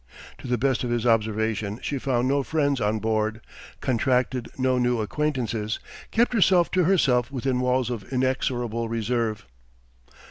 To the best of his observation she found no friends on board, contracted no new acquaintances, kept herself to herself within walls of inexorable reserve.